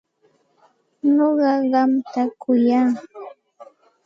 Nuqa qamta kuyaq.